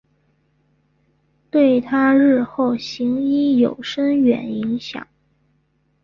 对她日后行医有深远的影响。